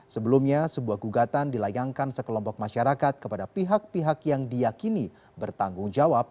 sebelumnya sebuah gugatan dilayangkan sekelompok masyarakat kepada pihak pihak yang diakini bertanggung jawab